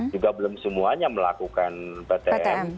juga belum semuanya melakukan ptm